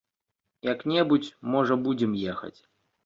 Як-небудзь, можа, будзем ехаць.